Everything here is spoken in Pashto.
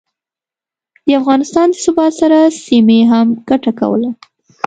د افغانستان د ثبات سره، سیمې هم ګټه کوله